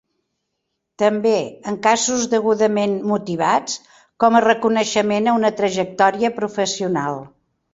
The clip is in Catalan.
També, en casos degudament motivats, com a reconeixement a una trajectòria professional.